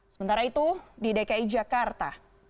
sementara itu di dki jakarta